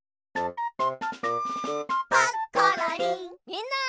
みんな！